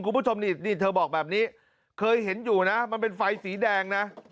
คุณผู้ชมนี่เธอบอกแบบนี้เคยเห็นอยู่นะมันเป็นไฟสีแดงนะ